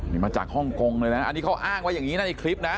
นี่มาจากฮ่องกงเลยนะอันนี้เขาอ้างไว้อย่างนี้นะในคลิปนะ